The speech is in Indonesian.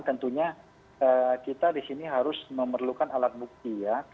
tentunya kita di sini harus memerlukan alat bukti ya